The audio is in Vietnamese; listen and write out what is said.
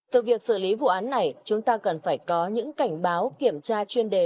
từ việc xử lý vụ án này chúng ta cần phải có những cảnh báo kiểm tra chuyên đề